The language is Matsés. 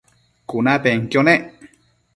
cunapenquio nec